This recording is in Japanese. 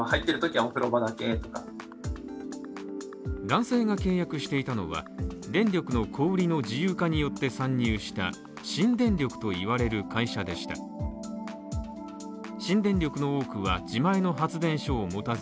男性が契約していたのは、電力の小売りの自由化によって参入した新電力と言われる会社でした。